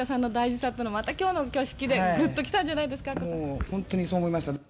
「もう本当にそう思いました」